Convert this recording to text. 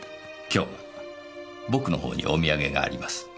今日は僕の方にお土産があります。